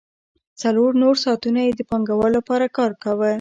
څلور نور ساعتونه یې د پانګوال لپاره کار کاوه